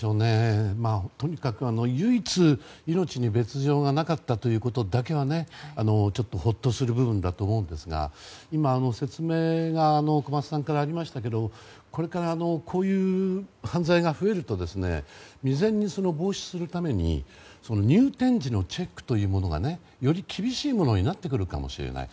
とにかく唯一命に別条がなかったことだけがほっとする部分だと思うんですが今、説明が小松さんからありましたけどこれからこういう犯罪が増えると未然に防止するために入店時のチェックというものがより厳しいものになってくるかもしれない。